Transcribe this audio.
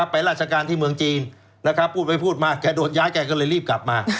ไปราชการที่เมืองจีนนะครับพูดไปพูดมาแกโดนย้ายแกก็เลยรีบกลับมา